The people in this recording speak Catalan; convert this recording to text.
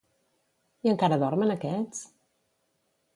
I encara dormen aquests?